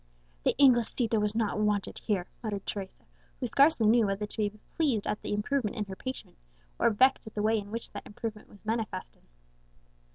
"The Inglesito was not wanted here," muttered Teresa, who scarcely knew whether to be pleased at the improvement in her patient, or vexed at the way in which that improvement was manifested.